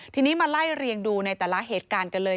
ทีนี้มาไล่เรียงดูในแต่ละเหตุการณ์กันเลย